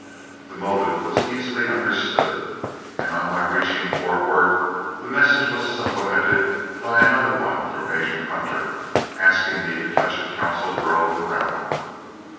The motive was easily understood, and on my reaching Fort Worth the message was supplemented by another one from Major Hunter, asking me to touch at Council Grove en route.